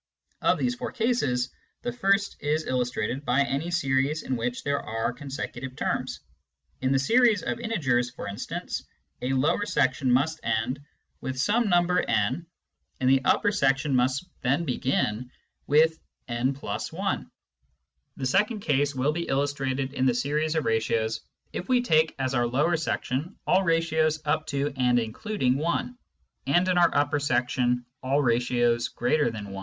Of these four cases, the first is illustrated by any series in which there are consecutive terms : in the series of integers, for instance, a lower section must end with some number n and the upper section must then begin with m+i. The second case will be illustrated in the series of ratios if we take as our lower section all ratios up to and including 1, and in our upper section all ratios greater than 1.